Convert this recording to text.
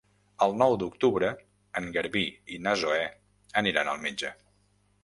El nou d'octubre en Garbí i na Zoè aniran al metge.